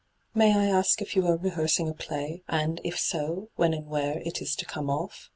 ' May I ask if you are rehearsing a play, and, if so, when and where it is to come off?'